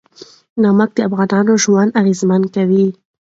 نمک د افغانانو ژوند اغېزمن کوي.